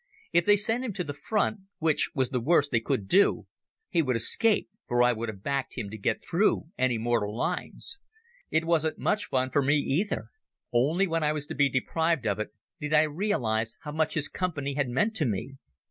If they sent him to the front, which was the worst they could do, he would escape, for I would have backed him to get through any mortal lines. It wasn't much fun for me either. Only when I was to be deprived of it did I realize how much his company had meant to me.